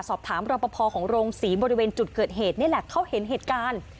รอปภของโรงศรีบริเวณจุดเกิดเหตุนี่แหละเขาเห็นเหตุการณ์